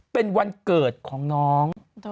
เป็นวันเกิดของน้อง